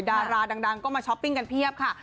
ดาราดังก็มาช้อปปิ้งกันเพียบค่ะ